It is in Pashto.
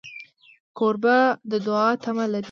کوربه د دوعا تمه لري.